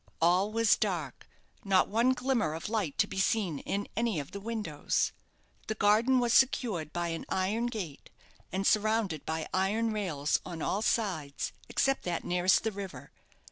All was dark; not one glimmer of light to be seen in any of the windows. The garden was secured by an iron gate, and surrounded by iron rails on all sides, except that nearest the river.